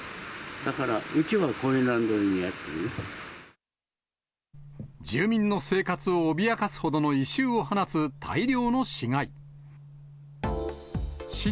だからうちはコイ住民の生活を脅かすほどの異臭を放つ大量の死骸。